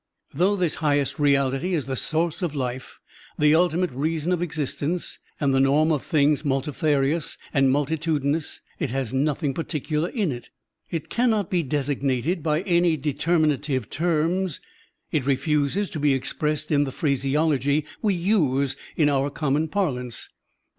Though this highest reality is the source of life, the ultimate reason of existence, and the norm of things multifarious and multitudinous, it has nothing particular in it, it cannot be designated by any determinative terms, it refuses to be expressed in the phraseology we use in our common parlance.